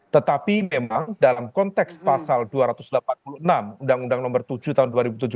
tetapi memang dalam konteks pasal dua ratus delapan puluh enam undang undang nomor tujuh tahun dua ribu tujuh belas